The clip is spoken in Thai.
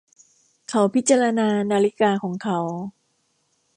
เขาพิจารณานาฬิกาของเขา